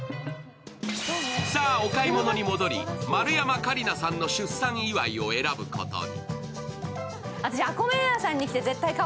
さぁ、お買い物に戻り丸山桂里奈さんの出産祝いを選ぶことに。